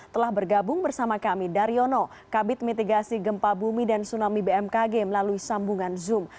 telah bergabung bersama kami daryono kabit mitigasi gempa bumi dan tsunami bmkg melalui sambungan zoom